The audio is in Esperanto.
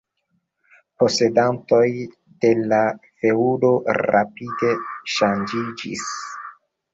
Posedantoj de la feŭdo rapide ŝanĝiĝis.